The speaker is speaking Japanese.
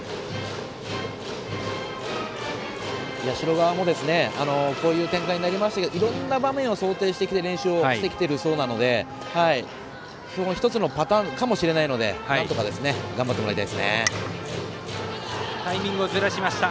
社側もこういう展開になりましたがいろんな場面を想定して練習してきているそうなので１つのパターンかもしれないので頑張ってもらいたいですね。